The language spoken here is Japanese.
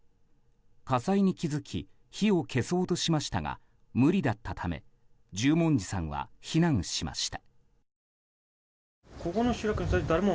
火災に気づき火を消そうとしましたが無理だったため十文字さんは避難しました。